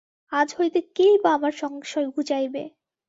আজ হইতে কেই বা আমার সংশয় ঘুচাইবে!